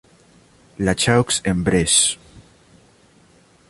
La Chaux-en-Bresse